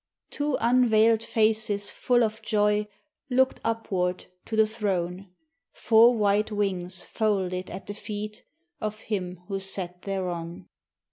Two unveiled faces full of joy looked upward to the Throne, Four white wings folded at the feet of Him who sat thereon!